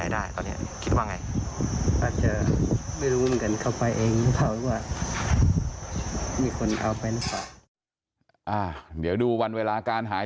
เดี๋ยวดูวันเวลาการหาย